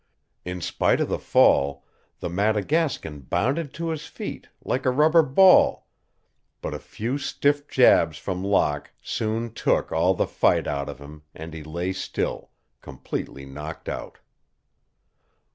In spite of the fall, the Madagascan bounded to his feet, like a rubber ball, but a few stiff jabs from Locke soon took all the fight out of him and he lay still, completely knocked out.